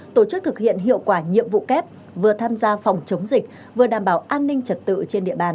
tổ chức thực hiện hiệu quả nhiệm vụ kép vừa tham gia phòng chống dịch vừa đảm bảo an ninh trật tự trên địa bàn